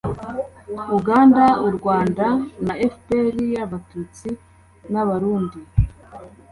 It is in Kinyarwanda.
uganda, u rwanda rwa fpr y'abatutsi, n'u burundi